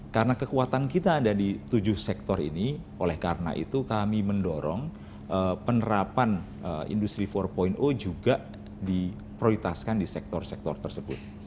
karena kekuatan kita ada di tujuh sektor ini oleh karena itu kami mendorong penerapan industri empat juga diprioritaskan di sektor sektor tersebut